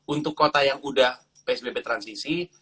untuk kota yang udah psbb transisi